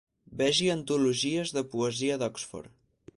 Vegi antologies de poesia d'Oxford.